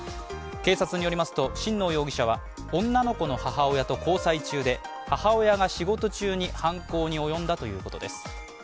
警察によりますと、新納容疑者は女の子の母親と交際中で母親が仕事中に犯行に及んだということです。